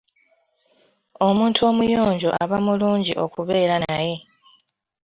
Omuntu omuyonjo aba mulungi okubeera naye.